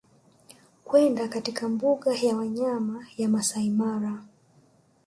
kwenda katika mbuga ya wanyama ya Masaimara